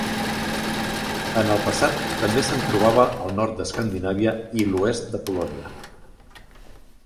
En el passat també se'n trobava al nord d'Escandinàvia i l'oest de Polònia.